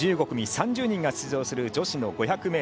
１５組３０人が出場する女子の５００ｍ。